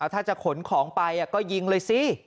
ถ้าจะขนของไปก็ยิงเลยสิ